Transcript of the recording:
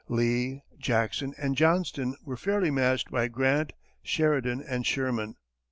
Lee, Jackson and Johnston were fairly matched by Grant, Sheridan and Sherman.